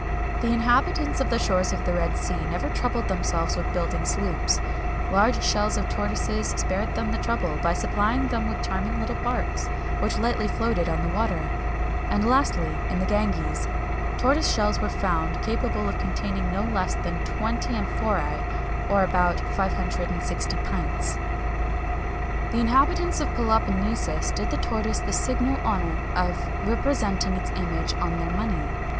[XXI 253] The inhabitants of the shores of the Red Sea never troubled themselves with building sloops; large shells of tortoises spared them the trouble, by supplying them with charming little barks, which lightly floated on the water.[XXI 254] And, lastly, in the Ganges, tortoise shells were found, capable of containing no less than 20 amphoræ, or about 560 pints.[XXI 255] The inhabitants of the Peloponnesus did the tortoise the signal honour of representing its image on their money.